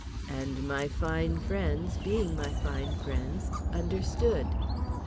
And my fine friends, being my fine friends, understood.